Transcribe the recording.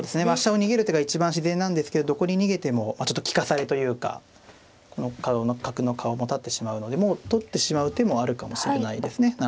まあ飛車を逃げる手が一番自然なんですけどどこに逃げてもちょっと利かされというかこの角の顔も立ってしまうのでもう取ってしまう手もあるかもしれないですね。